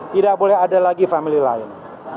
tidak boleh ada lagi family lain